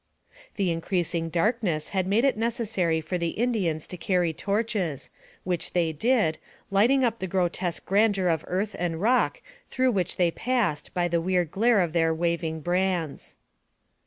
The increasing darkness had made it necessary for the Indians to carry torches, which they did, lighting up the grotesque grandeur of earth and rock through which they passed by the weird glare of their waving brands.